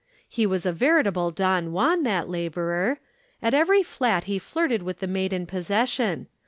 He was a veritable Don Juan, that laborer. At every flat he flirted with the maid in possession.